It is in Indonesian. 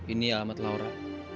ini alamat laura